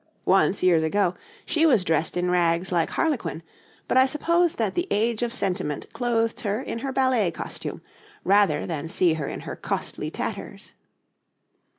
Once, years ago, she was dressed in rags like Harlequin, but I suppose that the age of sentiment clothed her in her ballet costume rather than see her in her costly tatters.